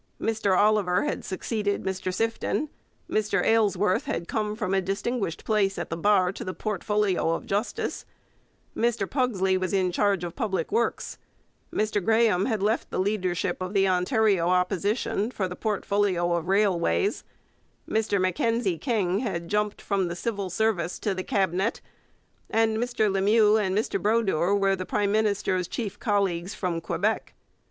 Mr Oliver had succeeded Mr Sifton, Mr Aylesworth had come from a distinguished place at the bar to the portfolio of Justice, Mr Pugsley was in charge of Public Works, Mr Graham had left the leadership of the Ontario Opposition for the portfolio of Railways, Mr Mackenzie King had jumped from the civil service to the Cabinet, and Mr Lemieux and Mr Brodeur were the prime minister's chief colleagues from Quebec.